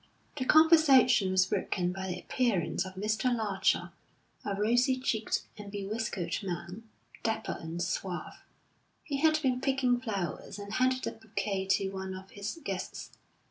The conversation was broken by the appearance of Mr. Larcher, a rosy cheeked and be whiskered man, dapper and suave. He had been picking flowers, and handed a bouquet to one of his guests.